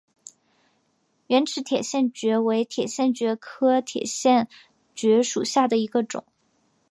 圆齿铁线蕨为铁线蕨科铁线蕨属下的一个种。